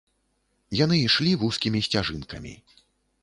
Яны ішлі вузкімі сцяжынкамі.